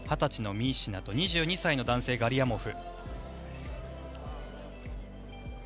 ２０歳のミシナと２２歳の男性、ガリアモフ。